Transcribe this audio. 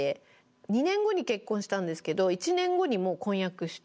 ２年後に結婚したんですけど１年後にもう婚約してましたね。